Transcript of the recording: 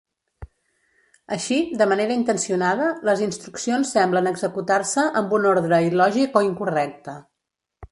Així, de manera intencionada, les instruccions semblen executar-se amb un ordre il·lògic o incorrecte.